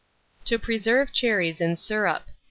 TO PRESERVE CHERRIES IN SYRUP.